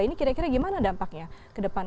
ini kira kira gimana dampaknya ke depan